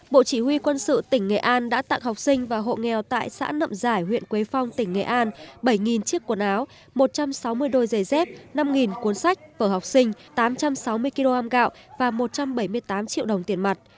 bộ chỉ huy quân sự tỉnh nghệ an đã tặng học sinh và hộ nghèo tại xã nậm giải huyện quế phong tỉnh nghệ an bảy chiếc quần áo một trăm sáu mươi đôi giày dép năm cuốn sách vở học sinh tám trăm sáu mươi kg gạo và một trăm bảy mươi tám triệu đồng tiền mặt